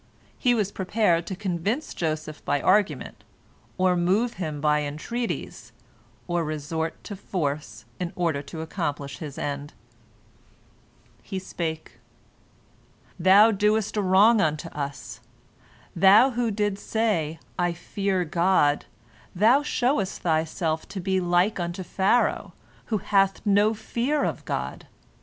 He was prepared to convince Joseph by argument, or move him by entreaties, or resort to force, in order to accomplish his end. He spake: "Thou doest a wrong unto us. Thou who didst say, 'I fear God,' thou showest thyself to be like unto Pharaoh, who hath no fear of God.